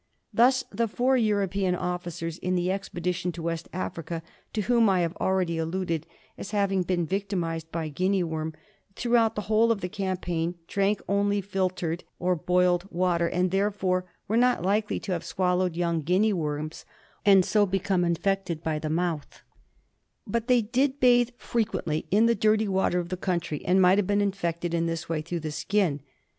Thus the four European officers in the expedition in West Africa, to whom I have already alluded as having been victimised by Guinea worm, throughout the whole of the campaign drank only filtered or boiled water, and therefore were not likely to have swallowed young Guinea worms and so become infected by the mouth, but they did bathe frequently in the dirty water of the country, and might have been infected in this way through the skin.